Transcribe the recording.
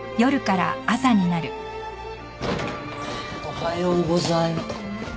おはようござい